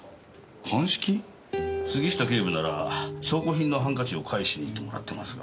杉下警部なら証拠品のハンカチを返しに行ってもらってますが。